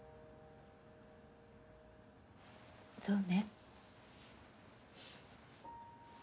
そうね。